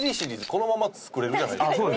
このまま作れるじゃないですか。